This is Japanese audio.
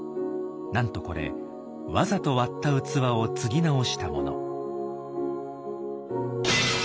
なんとこれわざと割った器をつぎ直したもの。